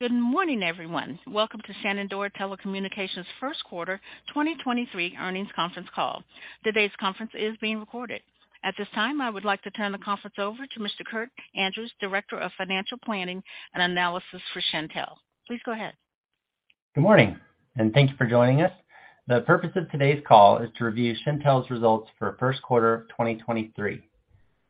Good morning, everyone. Welcome to Shenandoah Telecommunications first quarter 2023 earnings conference call. Today's conference is being recorded. At this time, I would like to turn the conference over to Mr. Kirk Andrews, Director of Financial Planning and Analysis for Shentel. Please go ahead. Good morning, and thank you for joining us. The purpose of today's call is to review Shentel's results for first quarter of 2023.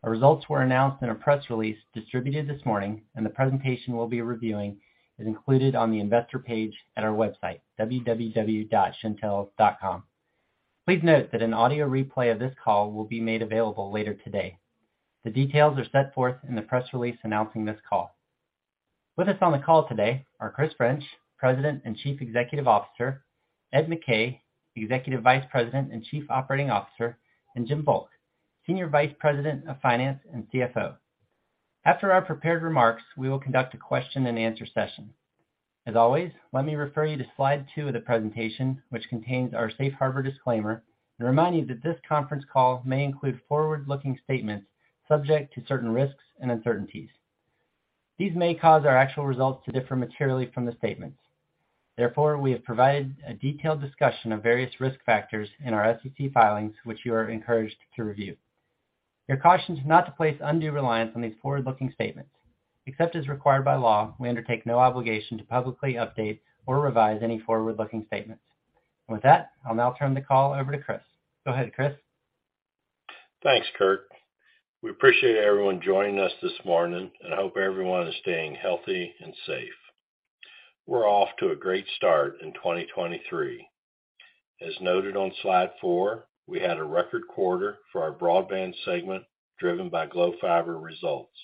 The results were announced in the press release distributed this morning. The presentation we'll be reviewing is included on the investor page at our website, www.shentel.com. Please note that an audio replay of this call will be made available later today. The details are set forth in the press release announcing this call. With us on the call today are Chris French, President and Chief Executive Officer, Ed McKay, Executive Vice President and Chief Operating Officer, and Jim Volk, Senior Vice President of Finance and CFO. After our prepared remarks, we will conduct a question-and-answer session. As always, let me refer you to slide two of the presentation, which contains our safe harbor disclaimer, and remind you that this conference call may include forward-looking statements subject to certain risks and uncertainties. These may cause our actual results to differ materially from the statements. Therefore, we have provided a detailed discussion of various risk factors in our SEC filings, which you are encouraged to review. You're cautioned not to place undue reliance on these forward-looking statements. Except as required by law, we undertake no obligation to publicly update or revise any forward-looking statements. With that, I'll now turn the call over to Chris. Go ahead, Chris. Thanks, Kirk. We appreciate everyone joining us this morning. Hope everyone is staying healthy and safe. We're off to a great start in 2023. As noted on slide four, we had a record quarter for our Broadband segment, driven by Glo Fiber results.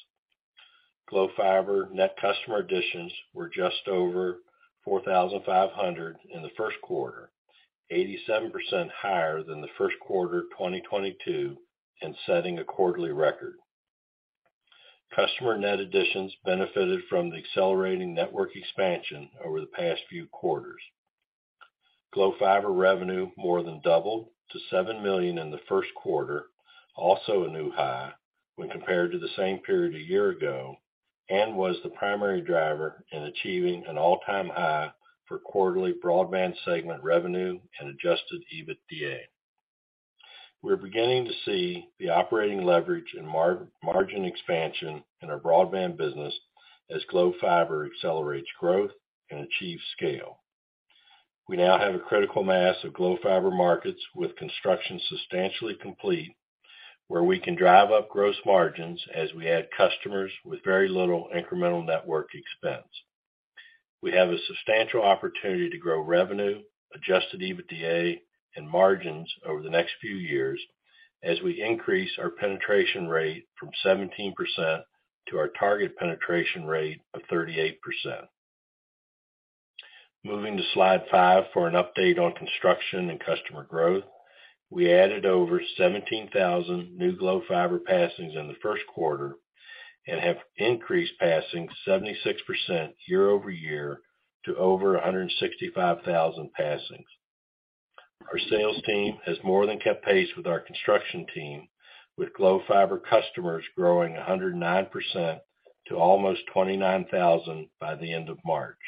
Glo Fiber net customer additions were just over 4,500 in the first quarter, 87% higher than the first quarter of 2022, and setting a quarterly record. Customer net additions benefited from the accelerating network expansion over the past few quarters. Glo Fiber revenue more than doubled to $7 million in the 1st quarter, also a new high, when compared to the same period a year ago, and was the primary driver in achieving an all-time high for quarterly Broadband segment revenue and Adjusted EBITDA. We're beginning to see the operating leverage and margin expansion in our Broadband business as Glo Fiber accelerates growth and achieves scale. We now have a critical mass of Glo Fiber markets with construction substantially complete, where we can drive up gross margins as we add customers with very little incremental network expense. We have a substantial opportunity to grow revenue, Adjusted EBITDA, and margins over the next few years as we increase our penetration rate from 17% to our target penetration rate of 38%. Moving to slide five for an update on construction and customer growth. We added over 17,000 new Glo Fiber passings in the first quarter and have increased passings 76% year-over-year to over 165,000 passings. Our sales team has more than kept pace with our construction team, with Glo Fiber customers growing 109% to almost 29,000 by the end of March.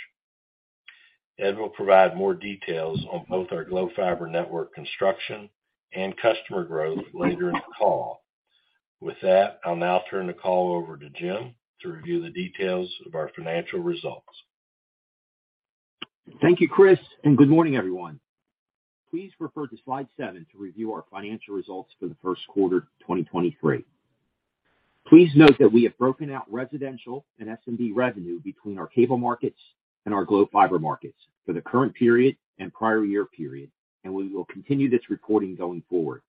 Ed will provide more details on both our Glo Fiber network construction and customer growth later in the call. I'll now turn the call over to Jim to review the details of our financial results. Thank you, Chris, and good morning, everyone. Please refer to slide seven to review our financial results for the first quarter of 2023. Please note that we have broken out residential and SMB revenue between our cable markets and our Glo Fiber markets for the current period and prior year period, and we will continue this reporting going forward.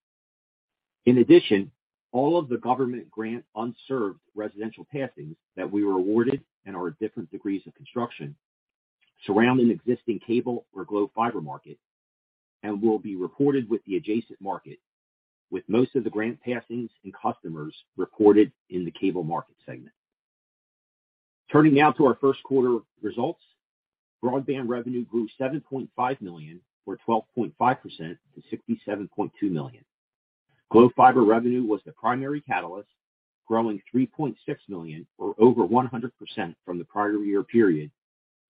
In addition, all of the government grant unserved residential passings that we were awarded and are at different degrees of construction surround an existing cable or Glo Fiber market and will be reported with the adjacent market, with most of the grant passings and customers reported in the Cable Market segment. Turning now to our first quarter results. Broadband revenue grew $7.5 million, or 12.5% to $67.2 million. Glo Fiber revenue was the primary catalyst, growing $3.6 million or over 100% from the prior year period,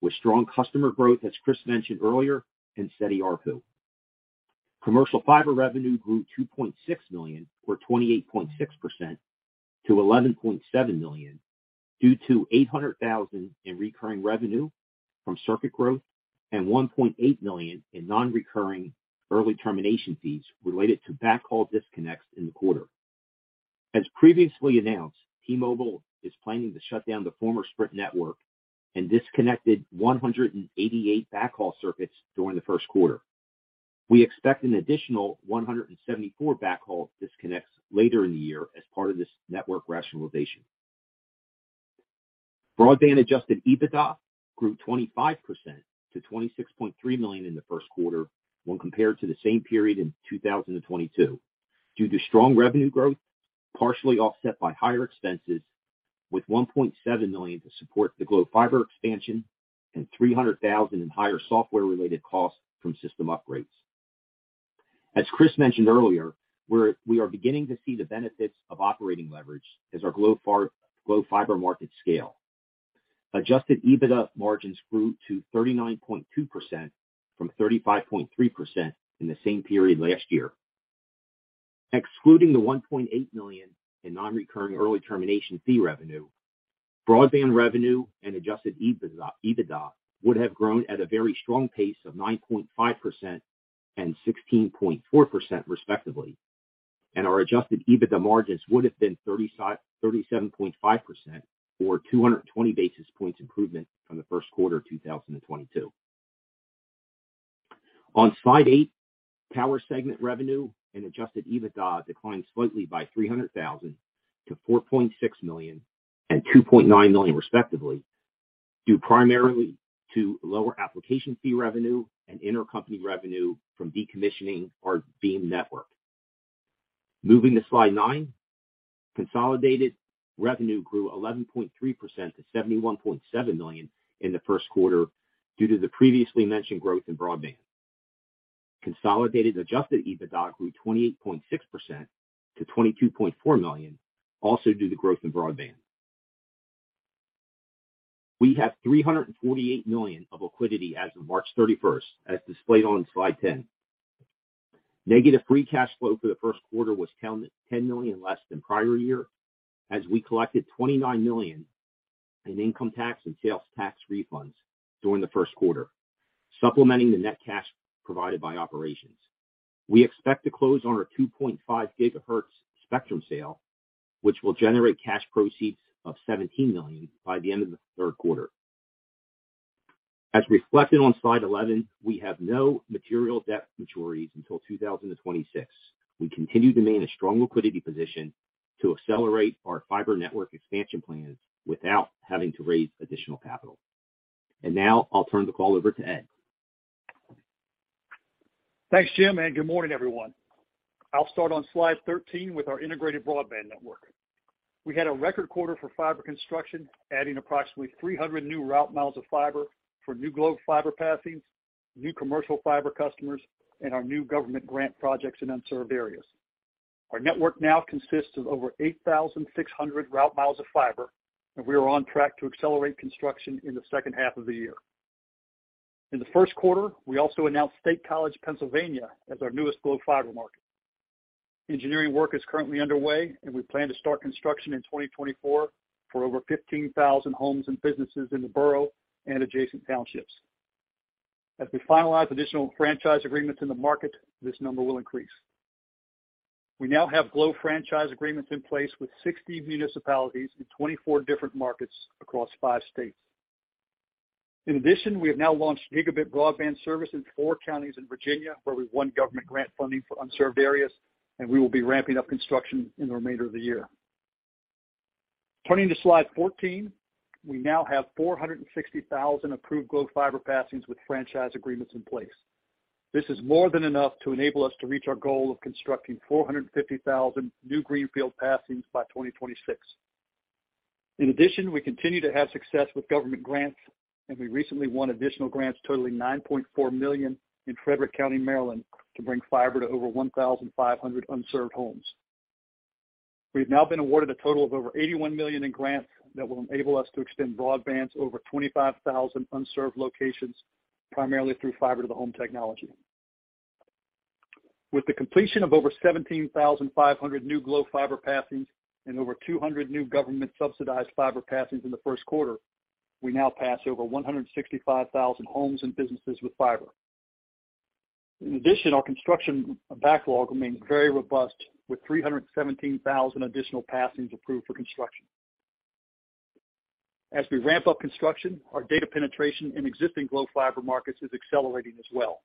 with strong customer growth, as Chris mentioned earlier, and steady ARPU. Commercial fiber revenue grew $2.6 million or 28.6% to $11.7 million, due to $800,000 in recurring revenue from circuit growth and $1.8 million in non-recurring early termination fees related to backhaul disconnects in the quarter. As previously announced, T-Mobile is planning to shut down the former Sprint network and disconnected 188 backhaul circuits during the first quarter. We expect an additional 174 backhaul disconnects later in the year as part of this network rationalization. Broadband Adjusted EBITDA grew 25% to $26.3 million in the first quarter when compared to the same period in 2022 due to strong revenue growth, partially offset by higher expenses, with $1.7 million to support the Glo Fiber expansion and $300,000 in higher software-related costs from system upgrades. Chris mentioned earlier, we are beginning to see the benefits of operating leverage as our Glo Fiber market scale. Adjusted EBITDA margins grew to 39.2% from 35.3% in the same period last year. Excluding the $1.8 million in non-recurring early termination fee revenue, Broadband revenue and Adjusted EBITDA would have grown at a very strong pace of 9.5% and 16.4% respectively. Our Adjusted EBITDA margins would have been 37.5% or 220 basis points improvement from the first quarter of 2022. On slide eight, power segment revenue and Adjusted EBITDA declined slightly by $300,000 to $4.6 million and $2.9 million respectively, due primarily to lower application fee revenue and intercompany revenue from decommissioning our Beam network. Moving to slide nine. Consolidated revenue grew 11.3% to $71.7 million in the first quarter due to the previously mentioned growth in Broadband. Consolidated Adjusted EBITDA grew 28.6% to $22.4 million, also due to growth in Broadband. We have $348 million of liquidity as of March 31st, as displayed on slide 10. Negative free cash flow for the first quarter was $10 million less than prior year as we collected $29 million in income tax and sales tax refunds during the first quarter, supplementing the net cash provided by operations. We expect to close on our 2.5 GHz spectrum sale, which will generate cash proceeds of $17 million by the end of the third quarter. As reflected on slide 11, we have no material debt maturities until 2026. We continue to maintain a strong liquidity position to accelerate our fiber network expansion plans without having to raise additional capital. Now I'll turn the call over to Ed. Thanks, Jim. Good morning, everyone. I'll start on slide 13 with our integrated broadband network. We had a record quarter for fiber construction, adding approximately 300 new route miles of fiber for new Glo Fiber passings, new commercial fiber customers, and our new government grant projects in unserved areas. Our network now consists of over 8,600 route miles of fiber, and we are on track to accelerate construction in the second half of the year. In the first quarter, we also announced State College, Pennsylvania, as our newest Glo Fiber market. Engineering work is currently underway, and we plan to start construction in 2024 for over 15,000 homes and businesses in the borough and adjacent townships. As we finalize additional franchise agreements in the market, this number will increase. We now have Glo Fiber franchise agreements in place with 60 municipalities in 24 different markets across five states. We have now launched gigabit broadband service in four counties in Virginia, where we won government grant funding for unserved areas. We will be ramping up construction in the remainder of the year. Turning to slide 14. We now have 460,000 approved Glo Fiber passings with franchise agreements in place. This is more than enough to enable us to reach our goal of constructing 450,000 new greenfield passings by 2026. We continue to have success with government grants. We recently won additional grants totaling $9.4 million in Frederick County, Maryland, to bring fiber to over 1,500 unserved homes. We've now been awarded a total of over $81 million in grants that will enable us to extend broadband to over 25,000 unserved locations, primarily through fiber-to-the-home technology. With the completion of over 17,500 new Glo Fiber passings and over 200 new government subsidized fiber passings in the first quarter, we now pass over 165,000 homes and businesses with fiber. In addition, our construction backlog remains very robust, with 317,000 additional passings approved for construction. As we ramp up construction, our data penetration in existing Glo Fiber markets is accelerating as well.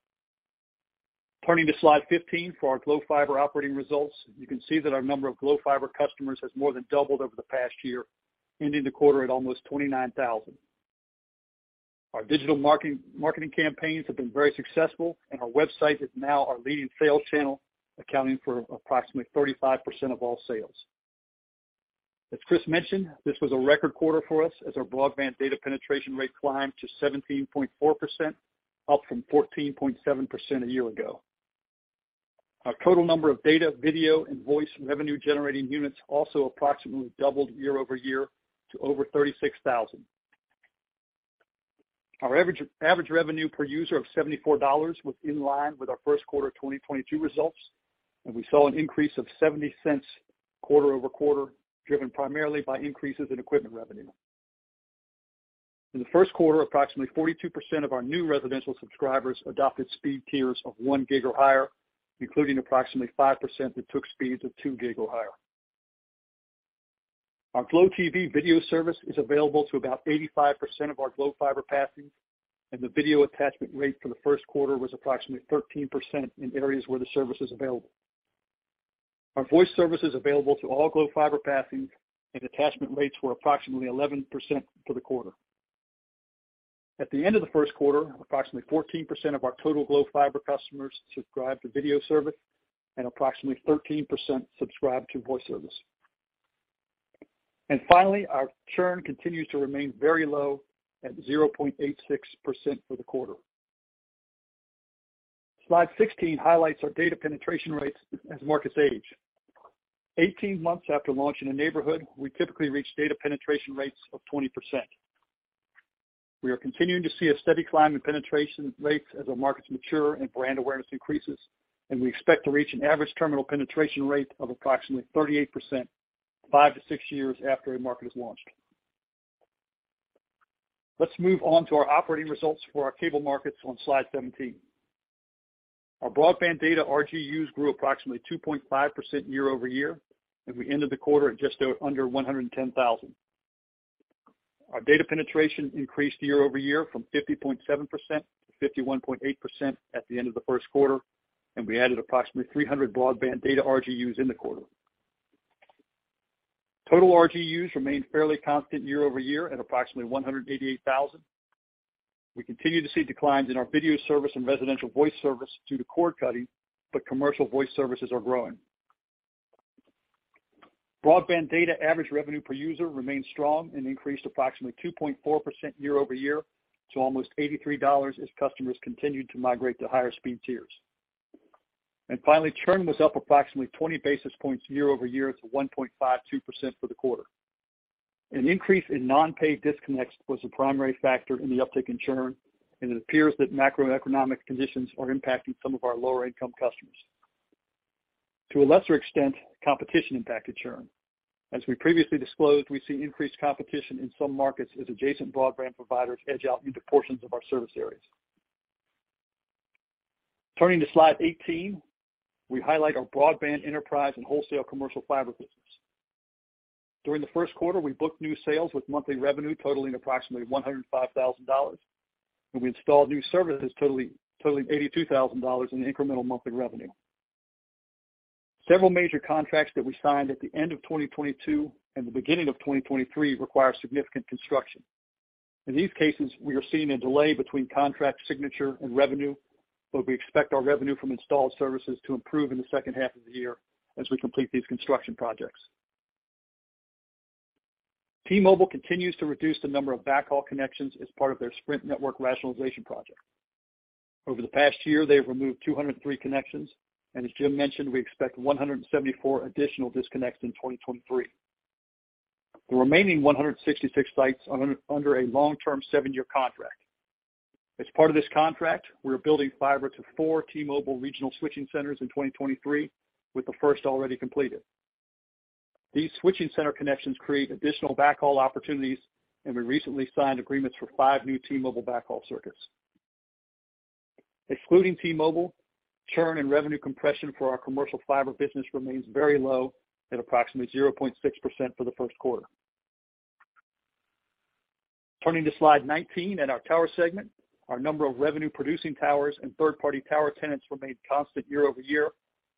Turning to slide 15 for our Glo Fiber operating results. You can see that our number of Glo Fiber customers has more than doubled over the past year, ending the quarter at almost 29,000. Our digital marketing campaigns have been very successful. Our website is now our leading sales channel, accounting for approximately 35% of all sales. As Chris mentioned, this was a record quarter for us as our broadband data penetration rate climbed to 17.4%, up from 14.7% a year ago. Our total number of data, video, and voice revenue-generating units also approximately doubled year-over-year to over 36,000. Our average revenue per user of $74 was in line with our first quarter of 2022 results. We saw an increase of $0.70 quarter-over-quarter, driven primarily by increases in equipment revenue. In the first quarter, approximately 42% of our new residential subscribers adopted speed tiers of 1 gig or higher, including approximately 5% that took speeds of 2 gig or higher. Our Glo TV video service is available to about 85% of our Glo Fiber passings, and the video attachment rate for the first quarter was approximately 13% in areas where the service is available. Our voice service is available to all Glo Fiber passings, and attachment rates were approximately 11% for the quarter. At the end of the first quarter, approximately 14% of our total Glo Fiber customers subscribed to video service, and approximately 13% subscribed to voice service. Finally, our churn continues to remain very low at 0.86% for the quarter. Slide 16 highlights our data penetration rates as markets age. 18 months after launch in a neighborhood, we typically reach data penetration rates of 20%. We are continuing to see a steady climb in penetration rates as our markets mature and brand awareness increases. We expect to reach an average terminal penetration rate of approximately 38%, five to six years after a market is launched. Let's move on to our operating results for our cable markets on slide 17. Our Broadband data RGUs grew approximately 2.5% year-over-year. We ended the quarter at just under 110,000. Our data penetration increased year-over-year from 50.7% to 51.8% at the end of the first quarter. We added approximately 300 Broadband data RGUs in the quarter. Total RGUs remained fairly constant year-over-year at approximately 188,000. We continue to see declines in our video service and residential voice service due to cord-cutting, but commercial voice services are growing. Broadband data average revenue per user remained strong and increased approximately 2.4% year-over-year to almost $83 as customers continued to migrate to higher speed tiers. Finally, churn was up approximately 20 basis points year-over-year to 1.52% for the quarter. An increase in non-pay disconnects was the primary factor in the uptick in churn, and it appears that macroeconomic conditions are impacting some of our lower-income customers. To a lesser extent, competition impacted churn. As we previously disclosed, we see increased competition in some markets as adjacent broadband providers edge out into portions of our service areas. Turning to slide 18, we highlight our broadband enterprise and wholesale commercial fiber business. During the first quarter, we booked new sales with monthly revenue totaling approximately $105,000, and we installed new services totaling $82,000 in incremental monthly revenue. Several major contracts that we signed at the end of 2022 and the beginning of 2023 require significant construction. In these cases, we are seeing a delay between contract signature and revenue, but we expect our revenue from installed services to improve in the second half of the year as we complete these construction projects. T-Mobile continues to reduce the number of backhaul connections as part of their Sprint network rationalization project. Over the past year, they have removed 203 connections, and as Jim mentioned, we expect 174 additional disconnects in 2023. The remaining 166 sites are under a long-term seven-year contract. As part of this contract, we are building fiber to four T-Mobile regional switching centers in 2023, with the first already completed. These switching center connections create additional backhaul opportunities, and we recently signed agreements for five new T-Mobile backhaul circuits. Excluding T-Mobile, churn and revenue compression for our commercial fiber business remains very low at approximately 0.6% for the first quarter. Turning to slide 19 at our Tower segment. Our number of revenue producing towers and third-party tower tenants remained constant year-over-year.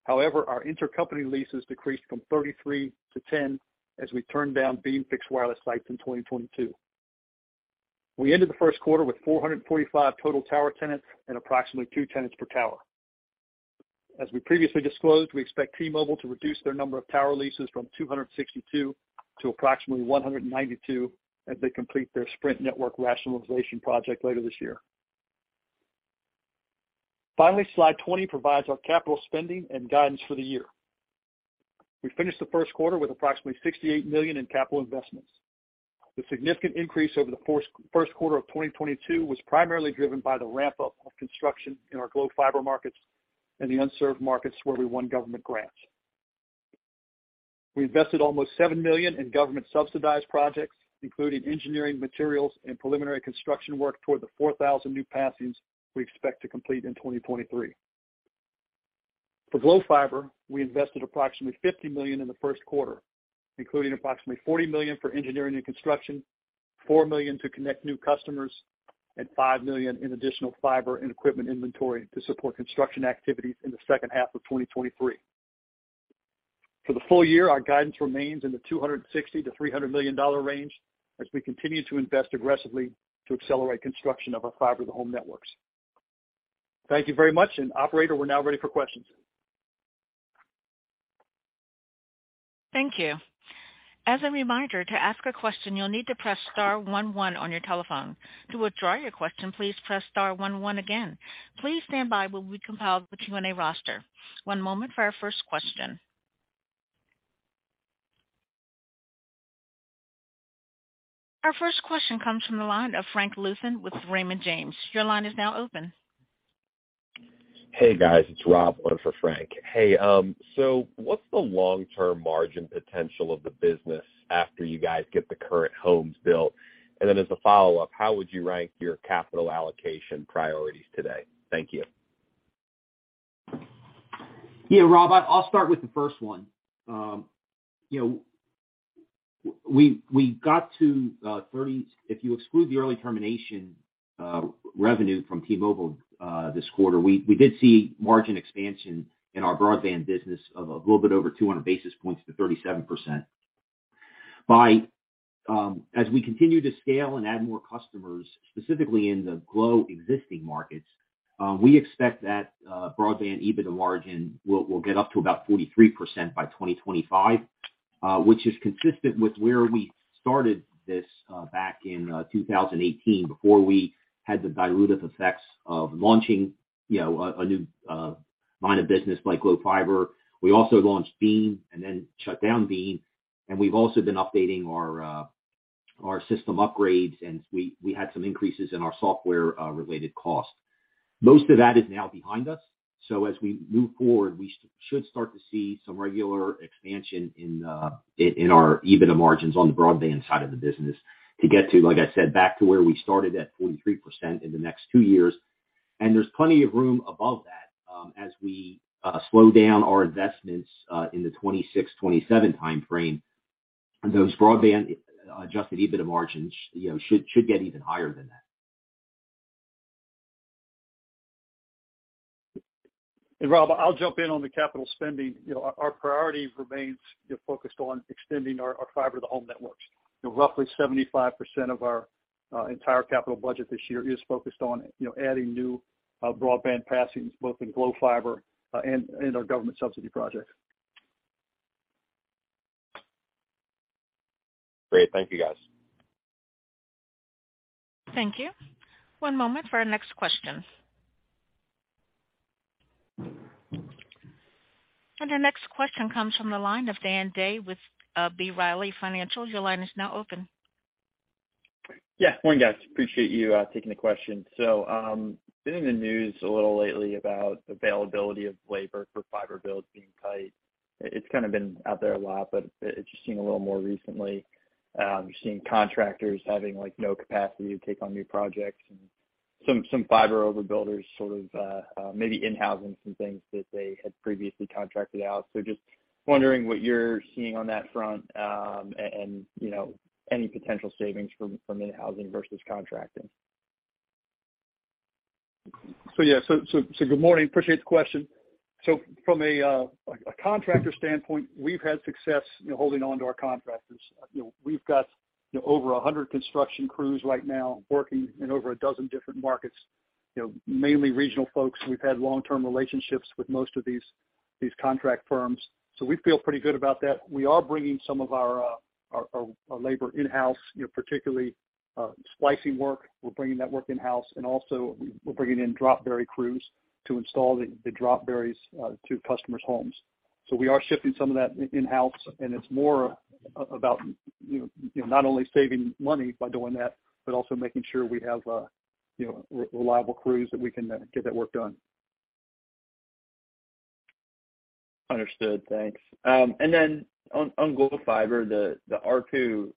However, our intercompany leases decreased from 33 to 10 as we turned down Beam fixed wireless sites in 2022. We ended the first quarter with 445 total tower tenants and approximately two tenants per tower. As we previously disclosed, we expect T-Mobile to reduce their number of tower leases from 262 to approximately 192 as they complete their Sprint network rationalization project later this year. Finally, slide 20 provides our capital spending and guidance for the year. We finished the first quarter with approximately $68 million in capital investments. The significant increase over the first quarter of 2022 was primarily driven by the ramp-up of construction in our Glo Fiber markets and the unserved markets where we won government grants. We invested almost $7 million in government subsidized projects, including engineering, materials, and preliminary construction work toward the 4,000 new passings we expect to complete in 2023. For Glo Fiber, we invested approximately $50 million in the first quarter, including approximately $40 million for engineering and construction, $4 million to connect new customers, and $5 million in additional fiber and equipment inventory to support construction activities in the second half of 2023. For the full year, our guidance remains in the $260 million-$300 million range as we continue to invest aggressively to accelerate construction of our fiber-to-the-home networks. Thank you very much. Operator, we're now ready for questions. Thank you. As a reminder, to ask a question, you'll need to press star one one on your telephone. To withdraw your question, please press star one one again. Please stand by while we compile the Q&A roster. One moment for our first question. Our first question comes from the line of Frank Louthan with Raymond James. Your line is now open. Hey, guys, it's Rob in for Frank. Hey, what's the long-term margin potential of the business after you guys get the current homes built? As a follow-up, how would you rank your capital allocation priorities today? Thank you. Yeah, Rob, I'll start with the first one. You know, if you exclude the early termination revenue from T-Mobile this quarter, we did see margin expansion in our Broadband business of a little bit over 200 basis points to 37%. As we continue to scale and add more customers, specifically in the Glo existing markets, we expect that Broadband EBITDA margin will get up to about 43% by 2025, which is consistent with where we started this back in 2018, before we had the dilutive effects of launching, you know, a new line of business like Glo Fiber. We also launched Beam and then shut down Beam. We've also been updating our system upgrades, and we had some increases in our software related costs. Most of that is now behind us. As we move forward, we should start to see some regular expansion in our EBITDA margins on the Broadband side of the business to get to, like I said, back to where we started at 43% in the next two years. There's plenty of room above that, as we slow down our investments in the 2026, 2027 timeframe. Those Broadband Adjusted EBITDA margins, you know, should get even higher than that. Rob, I'll jump in on the capital spending. You know, our priority remains, you know, focused on extending our fiber to the home networks. You know, roughly 75% of our entire capital budget this year is focused on, you know, adding new broadband passings, both in Glo Fiber and our government subsidy projects. Great. Thank you, guys. Thank you. One moment for our next question. Our next question comes from the line of Dan Day with B. Riley Financial. Your line is now open. Morning, guys. Appreciate you taking the question. Been in the news a little lately about availability of labor for fiber builds being tight. It's kinda been out there a lot, but interesting a little more recently. You're seeing contractors having, like, no capacity to take on new projects, and some fiber over builders sort of maybe in-housing some things that they had previously contracted out. Just wondering what you're seeing on that front, and, you know, any potential savings from in-housing versus contracting. Yeah, good morning. Appreciate the question. From a contractor standpoint, we've had success, you know, holding on to our contractors. You know, we've got, you know, over 100 construction crews right now working in over a dozen different markets, you know, mainly regional folks. We've had long-term relationships with most of these contract firms. We feel pretty good about that. We are bringing some of our labor in-house, you know, particularly splicing work. We're bringing that work in-house, and also we're bringing in drop bury crews to install the drop buries to customers' homes. We are shifting some of that in-house, and it's more about, you know, you know, not only saving money by doing that, but also making sure we have, you know, reliable crews that we can get that work done. Understood. Thanks. Then on Glo Fiber, the ARPU,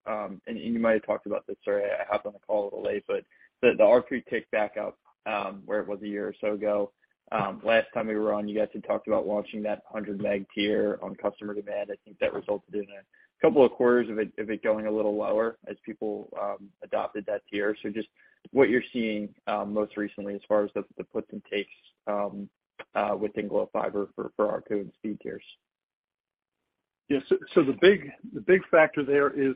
and you might have talked about this. Sorry, I hopped on the call a little late. The ARPU ticked back up where it was a year or so ago. Last time we were on, you guys had talked about launching that 100 meg tier on customer demand. I think that resulted in a couple of quarters of it going a little lower as people adopted that tier. Just what you're seeing most recently as far as the puts and takes within Glo Fiber for ARPU and speed tiers? The big factor there is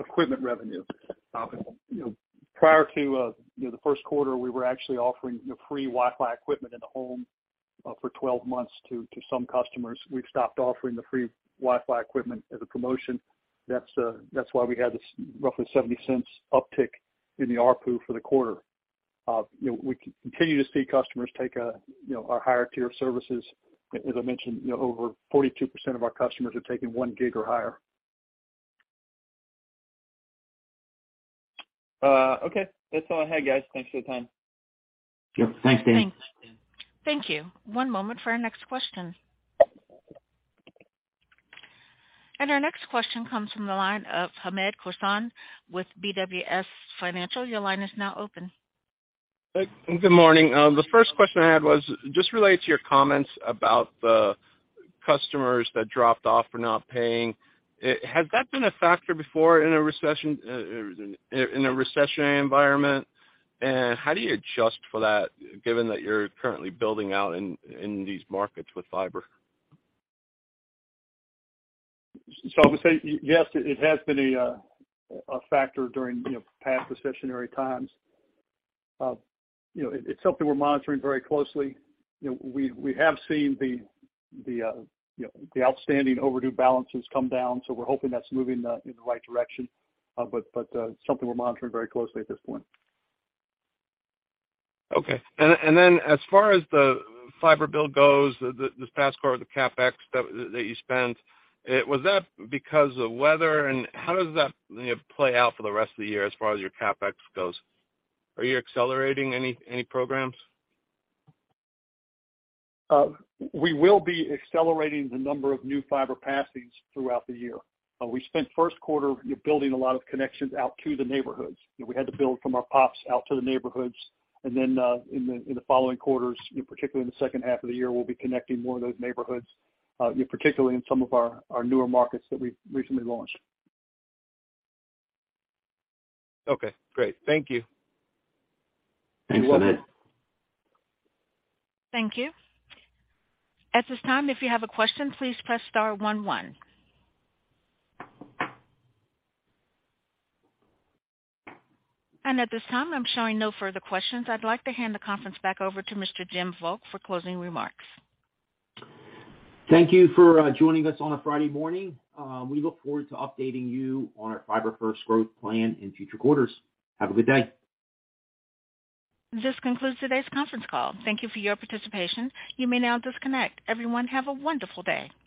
equipment revenue. you know, prior to, you know, the first quarter, we were actually offering, you know, free Wi-Fi equipment in the home, for 12 months to some customers. We've stopped offering the free Wi-Fi equipment as a promotion. That's why we had this roughly $0.70 uptick in the ARPU for the quarter. you know, we continue to see customers take, you know, our higher tier of services. As I mentioned, you know, over 42% of our customers are taking 1 gig or higher. Okay. That's all I had, guys. Thanks for the time. Yep. Thanks, Dan. Thanks. Thank you. One moment for our next question. Our next question comes from the line of Hamed Khorsand with BWS Financial. Your line is now open. Good morning. The first question I had was just related to your comments about the customers that dropped off or not paying. Has that been a factor before in a recession, in a recessionary environment? How do you adjust for that, given that you're currently building out in these markets with fiber? I would say yes, it has been a factor during, you know, past recessionary times. You know, it's something we're monitoring very closely. You know, we have seen the, you know, the outstanding overdue balances come down, so we're hoping that's moving in the right direction. But, something we're monitoring very closely at this point. Okay. Then as far as the fiber build goes, this past quarter, the CapEx that you spent, was that because of weather, and how does that, you know, play out for the rest of the year as far as your CapEx goes? Are you accelerating any programs? We will be accelerating the number of new fiber passings throughout the year. We spent first quarter, you know, building a lot of connections out to the neighborhoods. You know, we had to build from our POPs out to the neighborhoods. Then, in the following quarters, you know, particularly in the second half of the year, we'll be connecting more of those neighborhoods, you know, particularly in some of our newer markets that we've recently launched. Okay, great. Thank you. Thanks, Hamed. You're welcome. Thank you. At this time, if you have a question, please press star one one. At this time, I'm showing no further questions. I'd like to hand the conference back over to Mr. Jim Volk for closing remarks. Thank you for joining us on a Friday morning. We look forward to updating you on our Fiber First growth plan in future quarters. Have a good day. This concludes today's conference call. Thank you for your participation. You may now disconnect. Everyone, have a wonderful day.